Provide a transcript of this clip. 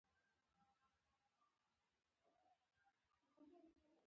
د ژبې د زخم لپاره د څه شي اوبه وکاروم؟